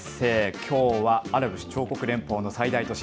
きょうはアラブ首長国連邦の最大都市